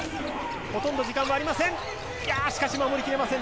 ほとんど時間はありません。